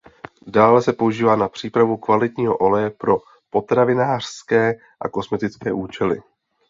Dále se používá na přípravu kvalitního oleje pro potravinářské a kosmetické účely.